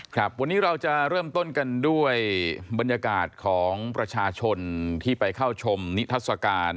ครับวันนี้เราจะเริ่มต้นกันด้วยบรรยากาศของประชาชนที่ไปเข้าชมนิทัศกาล